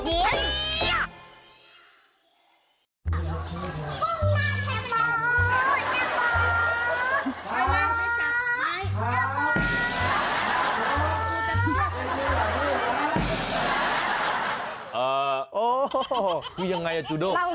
เออคือยังไงอะจูดู